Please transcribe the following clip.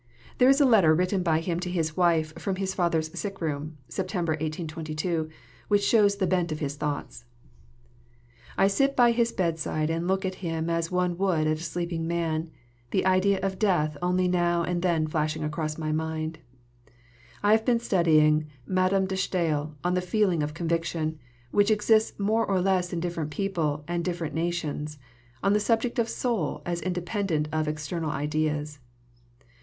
There is a letter written by him to his wife from his father's sick room (Sept. 1822) which shows the bent of his thoughts: I sit by his bedside and look at him as one would at a sleeping man, the idea of death only now and then flashing across my mind. I have been studying Mad. de Staël on the feeling of conviction, which exists more or less in different people and different nations, on the subject of soul as independent of external ideas.